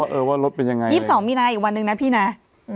เออว่ารถเป็นยังไง๒๒มีนาอีกวันหนึ่งนะพี่นะ